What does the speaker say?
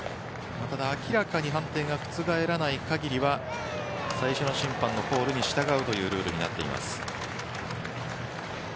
ただ、明らかに判定が覆らない限りは最初の審判のコールに従うというルールになっています。